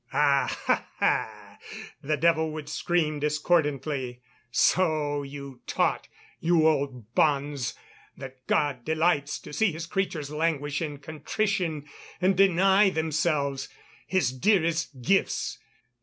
"Ah! ha! ha!" the devil would scream discordantly, "so you taught, you old bonze, that God delights to see His creatures languish in contrition and deny themselves His dearest gifts.